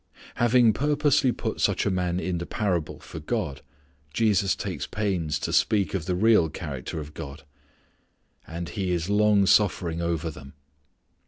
Having purposely put such a man in the parable for God, Jesus takes pains to speak of the real character of God. "And He is long suffering over them."